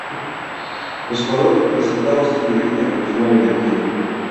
Los jugadores representados en negrita continúan en activo.